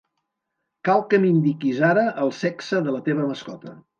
Cal que m'indiquis ara el sexe de la teva mascota.